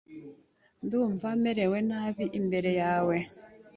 Ndumva merewe nabi imbere ye.